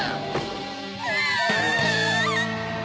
うわ！